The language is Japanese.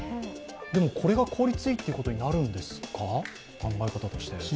でも、これが効率いいということになるんですか、考え方として。